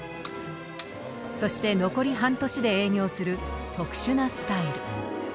そして残り半年で営業する特殊なスタイル。